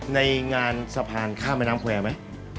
ในงานสะพานข้ามแม่น้ำแควร์ไหม